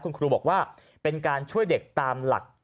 คุณครูบอกว่าเป็นการช่วยเด็กตามหลัก